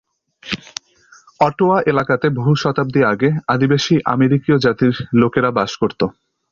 Ottawa এলাকাতে বহু শতাব্দী আগে আদিবাসী আমেরিকীয় জাতির লোকেরা বাস করত।